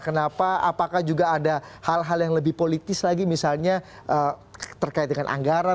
kenapa apakah juga ada hal hal yang lebih politis lagi misalnya terkait dengan anggaran